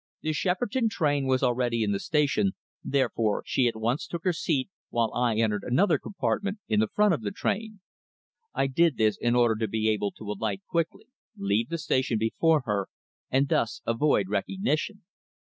The Shepperton train was already in the station, therefore she at once took her seat, while I entered another compartment in the front of the train. I did this in order to be able to alight quickly, leave the station before her, and thus avoid recognition.